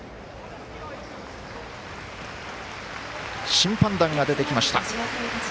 審判団が出てきました。